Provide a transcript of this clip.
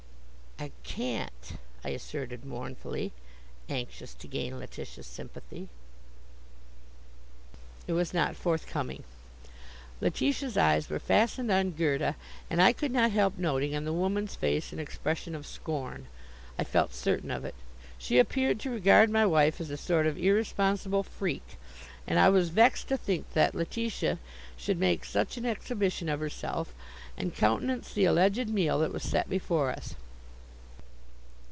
"I can't," I asserted mournfully, anxious to gain Letitia's sympathy. It was not forthcoming. Letitia's eyes were fastened on Gerda, and I could not help noting on the woman's face an expression of scorn. I felt certain of it. She appeared to regard my wife as a sort of irresponsible freak, and I was vexed to think that Letitia should make such an exhibition of herself, and countenance the alleged meal that was set before us.